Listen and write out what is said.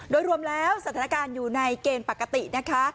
โดยรวมแล้วสถานการณ์อยู่ในเกณฑ์ปกตินะคะ